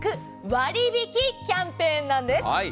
割引キャンペーンなんです。